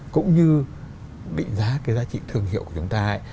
cũng như định giá cái giá trị thương hiệu của chúng ta ấy